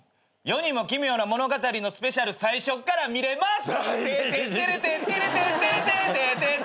『世にも奇妙な物語』のスペシャル最初っから見れます！